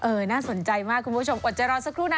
น่าสนใจมากคุณผู้ชมอดใจรอสักครู่นะ